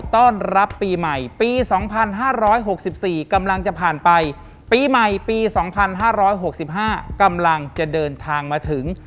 ต้อนรับปีใหม่ปี๒๕๖๔กำลังจะผ่านไปปีใหม่ปี๒๕๖๕กำลังจะเดินทางมาถึง